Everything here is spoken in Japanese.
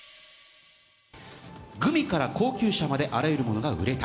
グミから高級車まであらゆるものが売れた。